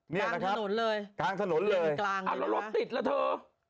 เนี่ยนะครับกลางถนนเลยกลางถนนเลยเอาแล้วรถติดแล้วเถอะ